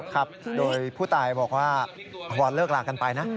ครับโดยผู้ตายบอกว่าพอเลิกลากันไปนะ